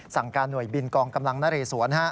สั่งการหน่วยบินกองกำลังนเรสวน